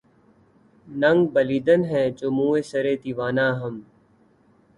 ننگ بالیدن ہیں جوں موئے سرِ دیوانہ ہم